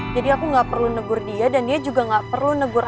jadi aku gak perlu negur dia dan dia juga gak perlu negur aku